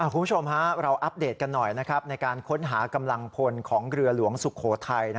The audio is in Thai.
คุณผู้ชมเราอัปเดตกันหน่อยในการค้นหากำลังพลของเรือหลวงสุโขทัย